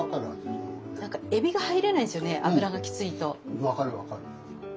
うん分かる分かる。